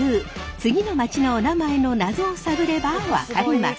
次の町のおなまえのナゾを探れば分かります。